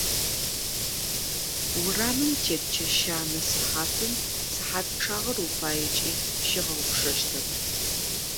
Урамым тет чэщанэ сыхьатым, сыхьат пчъагъэр уфаекӏи пщигъэгъупшэщтэп.